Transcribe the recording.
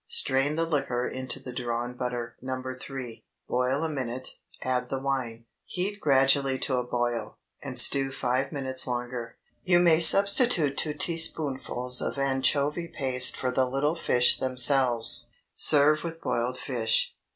Strain the liquor into the drawn butter (No. 3), boil a minute, add the wine; heat gradually to a boil, and stew five minutes longer. You may substitute two teaspoonfuls of anchovy paste for the little fish themselves. Serve with boiled fish.